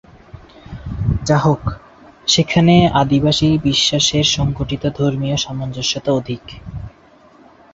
যাহোক, সেখানে আদিবাসী বিশ্বাসের সংগঠিত ধর্মীয় সামঞ্জস্যতা অধিক।